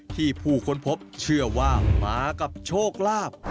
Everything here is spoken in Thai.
ผู้ค้นพบเชื่อว่ามากับโชคลาภ